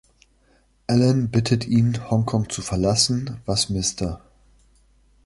Alan bittet ihn, Hongkong zu verlassen, was Mr.